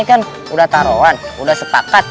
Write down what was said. kan udah taruhan udah sepakat